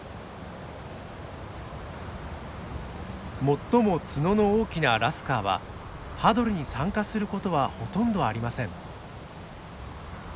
最も角の大きなラスカーはハドルに参加することはほとんどありません。